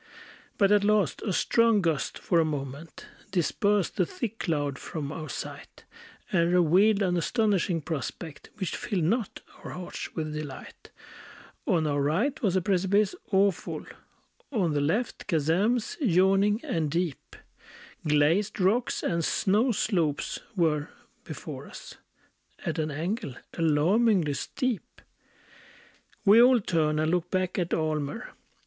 But at last a strong gust for a moment Dispersed the thick cloud from our sight, And revealed an astonishing prospect, Which filled not our hearts with delight: On our right was a precipice awful; On the left chasms yawning and deep; Glazed rocks and snow slopes were before us, At an angle alarmingly steep. We all turned and looked back at Almer.